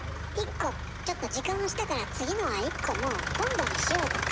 ちょっと時間押したから次のは１個もう今度にしようとか。